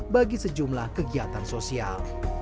bagi sejumlah kegiatan sosial